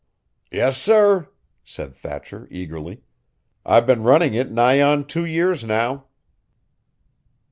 "Yes, sir," said Thatcher eagerly. "I've been running it nigh on two years now."